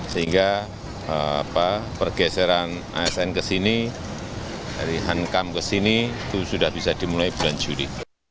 sehingga pergeseran asn ke sini dari hankam ke sini itu sudah bisa dimulai bulan juli